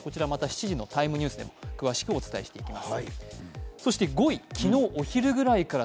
こちらまた７時の「ＴＩＭＥ，ニュース」で詳しくお伝えしていきます。